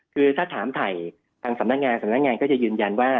คือถ้าถามถ่ายทางสำนักงานสำนักงานก็จะยืนยันว่า